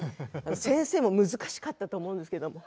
先生も難しかったと思うんですけれども。